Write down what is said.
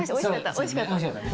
おいしかったです。